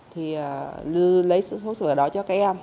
thì lưu lấy số sửa đó cho các em